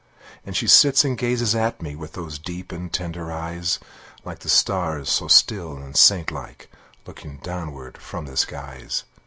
And she sits and gazes at me With those deep and tender eyes, Like the stars, so still and saint like, Looking downward from the skies.